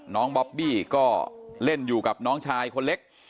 บอบบี้ก็เล่นอยู่กับน้องชายคนเล็ก